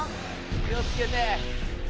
気をつけて！